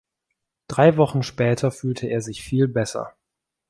Drei Wochen später fühlte er sich viel besser.